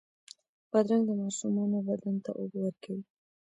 بادرنګ د ماشومانو بدن ته اوبه ورکوي.